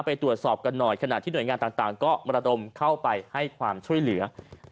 ไปตรวจสอบกันหน่อยขณะที่หน่วยงานต่างก็มรดมเข้าไปให้ความช่วยเหลือ